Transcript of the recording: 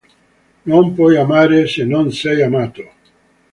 Non puoi amare, se non sei amato.